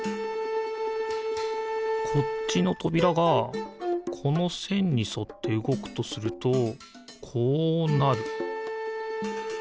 こっちのとびらがこのせんにそってうごくとするとこうなる。